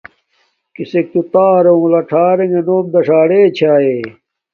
کسک تو تارے وہ لݽر رنݣ نوم داݽا رے چھاݵ۔